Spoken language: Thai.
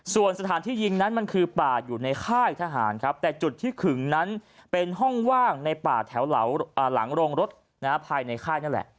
ส่วนสถานที่ยิงนั้นมันคือป่าอยู่ในค่ายทหารครับแต่จุดที่ขึงนั้นเป็นห้องว่างในป่าแถวหลังโรงรถภายในค่ายนั่นแหละ